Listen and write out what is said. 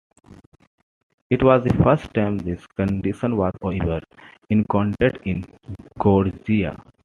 It was the first time this condition was ever encountered in Georgia.